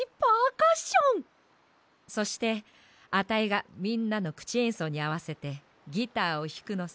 そしてアタイがみんなのくちえんそうにあわせてギターをひくのさ。